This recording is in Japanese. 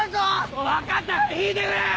もう分かったから引いてくれよ！